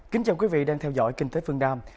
kính chào quý vị đang theo dõi kinh tế phương nam